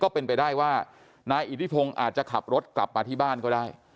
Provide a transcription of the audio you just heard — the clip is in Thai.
เป็นไปได้ว่านายอิทธิพงศ์อาจจะขับรถกลับมาที่บ้านก็ได้